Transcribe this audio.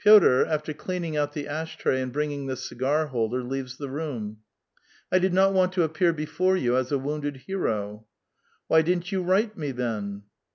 435 Pibtr, after cleaning out the ash tray and bringing the cigar holder, leaves the room. '*I did not want to appear before you as a wounded hero." '* Why didn't you write me, then?"